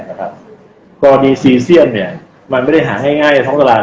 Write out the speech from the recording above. นะครับก็มีสี่เสี้ยนเนี่ยมันไม่ได้หาง่ายง่ายท้องตลาด